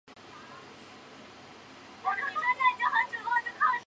巴丹蜗为南亚蜗牛科班卡拉蜗牛属下的一个种。